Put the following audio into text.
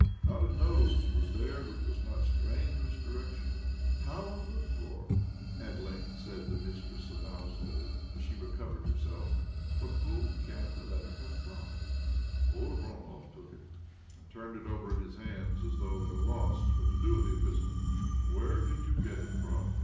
Not a nose was there which was not strained in its direction. OBLOMOV 141 " How unlocked for 1 " at length said the mistress of the household as she recovered herself. " From whom can the letter have come? " Old Oblomov took it, and turned it over in his hands, as though at a loss what to do with the epistle. ' Where did you get it from?"